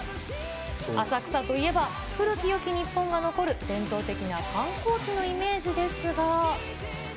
浅草といえば、古きよき日本が残る伝統的な観光地のイメージですが。